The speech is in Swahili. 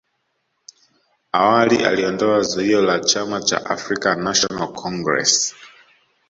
awali aliondoa zuio la chama cha African national Congress